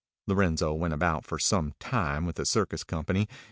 ] Lorenzo went about for some time with a circus company.